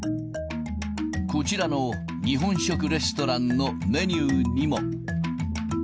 こちらの日本食レストランのメニューにも。